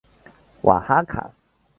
瓦哈卡。